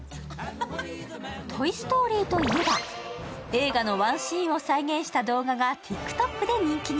「トイ・ストーリー」といえば映画のワンシーンを再現した動画がＴｉｋＴｏｋで人気に。